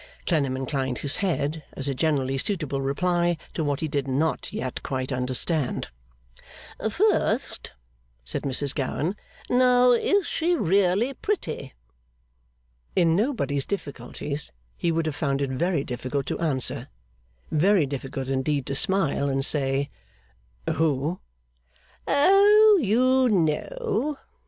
Clennam inclined his head, as a generally suitable reply to what he did not yet quite understand. 'First,' said Mrs Gowan, 'now, is she really pretty?' In nobody's difficulties, he would have found it very difficult to answer; very difficult indeed to smile, and say 'Who?' 'Oh! You know!